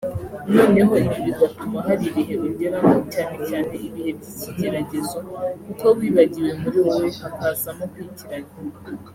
noneho ibi bigatuma hari ibihe ugeramo (cyane cyane ibihe by’ikigeragezo) kuko wibagiwe muri wowe hakazamo kwitiranya